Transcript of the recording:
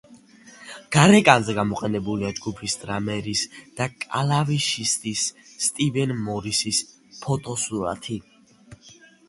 გარეკანზე გამოყენებულია ჯგუფის დრამერის და კლავიშისტის, სტივენ მორისის ფოტოსურათი.